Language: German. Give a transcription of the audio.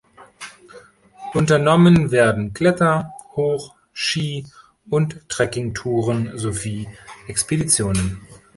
Unternommen werden Kletter-, Hoch-, Ski- und Trekkingtouren sowie Expeditionen.